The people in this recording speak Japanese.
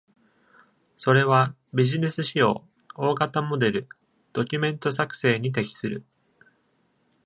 それはビジネス使用、大型モデル、ドキュメント作成に適する。